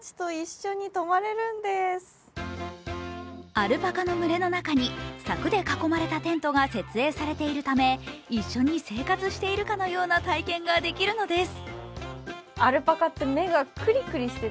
アルパカの群れの中に柵で囲われたテントが設営されているため一緒に生活しているかのような体験ができるのです。